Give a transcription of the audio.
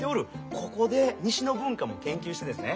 ここで西の文化も研究してですね